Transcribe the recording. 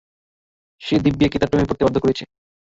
সে দিব্যিয়াকে তার প্রেমে পড়তে বাধ্য করেছে।